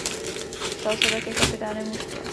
Stal se také kapitánem mužstva.